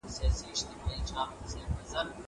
منډه د لوبغاړي لخوا وهل کېږي!